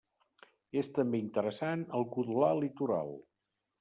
És també interessant el codolar litoral.